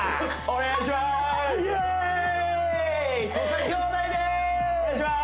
お願いしまーす